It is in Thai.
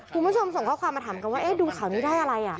คุณผู้ชมส่งข้อความมาถามกันว่าดูข่าวนี้ได้อะไร